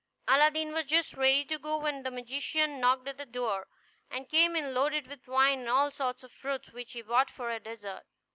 Aladdin was just ready to go, when the magician knocked at the door, and came in loaded with wine and all sorts of fruits, which he brought for a dessert.